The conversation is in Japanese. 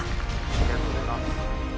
ありがとうございます。